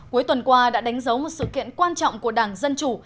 cuối tuần qua đã đánh dấu một sự kiện quan trọng của đảng dân chủ